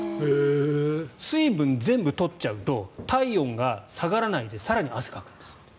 水分、全部取っちゃうと体温が下がらないで更に汗をかくんです。